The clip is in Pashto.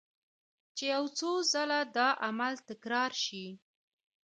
چې يو څو ځله دا عمل تکرار شي